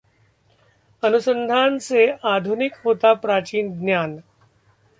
अनुसंधान से आधुनिक होता प्राचीन ज्ञान